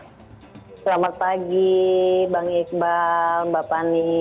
selamat pagi bang iqbal mbak pani